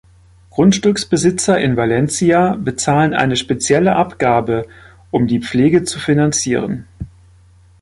Grundstücksbesitzer in Valencia bezahlen eine spezielle Abgabe, um die Pflege zu finanzieren.